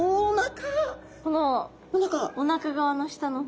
このおなか側の下の方。